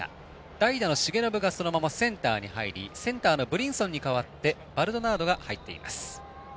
代打の重信がそのままセンターに入りセンターのブリンソンに代わってバルドナードが入っています。